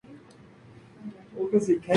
Vickers no tuvo hijos.